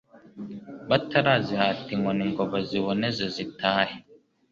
batarazihata inkoni ngo ziboneze zitahe.